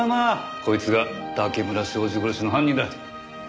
こいつが竹村彰二殺しの犯人だ。